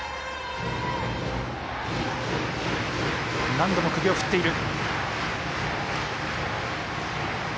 何度も首を振っている。